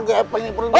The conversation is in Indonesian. gepenya perut gue